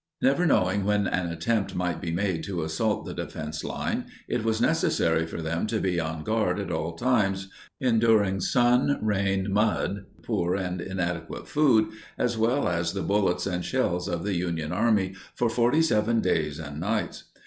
Never knowing when an attempt might be made to assault the defense line, it was necessary for them to be on guard at all times, enduring sun, rain, mud, poor and inadequate food, as well as the bullets and shells of the Union Army for 47 days and nights.